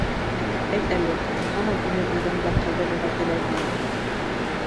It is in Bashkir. Әйт әле, һин һаман уны эргәңдә ҡалдырырға теләйһеңме?